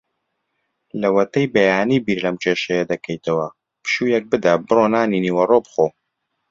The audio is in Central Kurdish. لەوەتەی بەیانی بیر لەم کێشەیە دەکەیتەوە. پشوویەک بدە؛ بڕۆ نانی نیوەڕۆ بخۆ.